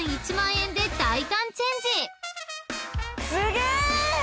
すげえ！